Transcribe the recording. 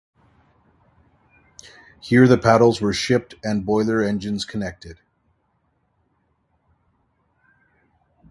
Here the paddles were shipped and boilers and engines connected.